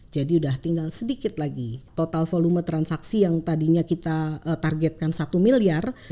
jadi sudah tinggal sedikit lagi total volume transaksi yang tadinya kita targetkan satu miliar